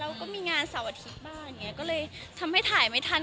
แล้วก็มีงานเสาร์อาทิตย์บ้างอย่างนี้ก็เลยทำให้ถ่ายไม่ทัน